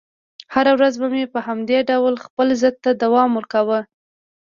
هره ورځ به مې په همدې ډول خپل ضد ته دوام ورکاوه.